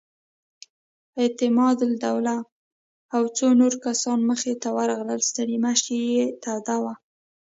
اعتماد الدوله او څو نور کسان مخې ته ورغلل، ستړې مشې یې توده وه.